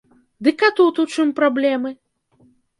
Дык а тут у чым праблемы?